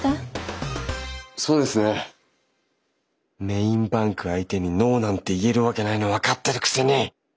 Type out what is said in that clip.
メインバンク相手に「ノー」なんて言えるわけないの分かってるくせに！